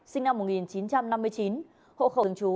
sinh năm một nghìn chín trăm năm mươi chín hộ khẩu thường chú